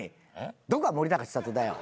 どこが森高千里だよ！